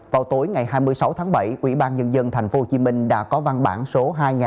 vào tối ngày hai mươi sáu tháng bảy ủy ban nhân dân tp hcm đã có văn bản số hai nghìn bốn trăm chín mươi một